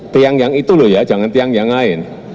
tiang yang itu loh ya jangan tiang yang lain